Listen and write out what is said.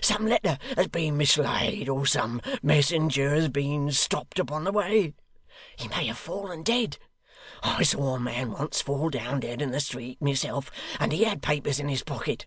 Some letter has been mislaid, or some messenger has been stopped upon the way. He may have fallen dead. I saw a man once, fall down dead in the street, myself, and he had papers in his pocket.